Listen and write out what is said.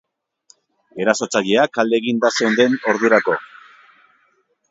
Erasotzaileak alde eginda zeuden ordurako.